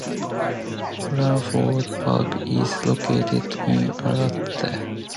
Branford Park is located in Arleta.